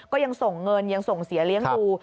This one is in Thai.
ก็ยังส่งเงินยังส่งเสียเลี้ยงดู